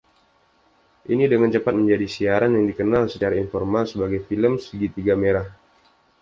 Ini dengan cepat menjadi siaran yang dikenal secara informal sebagai "film segitiga merah".